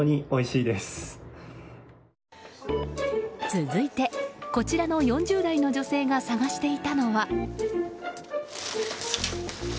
続いて、こちらの４０代の女性が探していたのは。